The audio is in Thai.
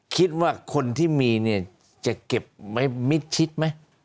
คิดว่าคนที่มีเนี่ยจะเก็บไว้มิดชิดไหม